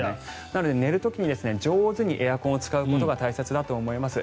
なので寝る時に上手にエアコンを使うことが大切だと思います。